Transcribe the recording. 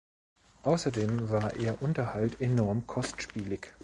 Außerdem war ihr Unterhalt enorm kostspielig.